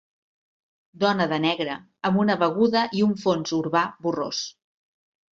Dona de negre amb una beguda i un fons urbà borrós.